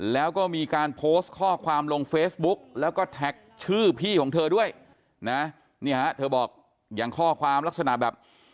แล้วก็มีการโพสต์ข้อความลงเฟซบุ๊กแล้วก็แท็กชื่อพี่ของเธอด้วยนะนี่ฮะเธอบอกอย่างข้อความลักษณะแบบ